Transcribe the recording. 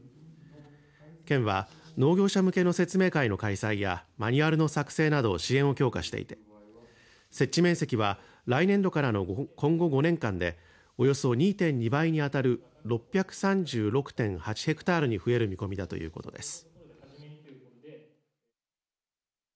県は農業者向けの説明会の開催やマニュアルの作成など支援を強化していて設置面積は来年度からの今後５年間でおよそ２．２倍に当たる６３６．８ヘクタールに増える見込みだということです。